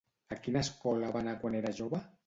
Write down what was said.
A quina escola va anar quan era jove?